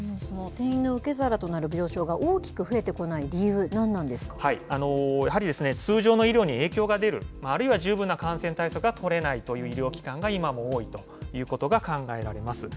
転院の受け皿となる病床が大きく増えてこない理由、何なんでやはり通常の医療に影響が出る、あるいは、十分な感染対策が取れないという医療機関が今も多いということが考えられます。